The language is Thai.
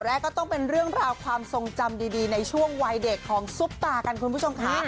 แรกก็ต้องเป็นเรื่องราวความทรงจำดีในช่วงวัยเด็กของซุปตากันคุณผู้ชมค่ะ